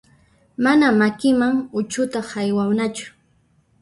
Mana makiman uchuta haywanachu.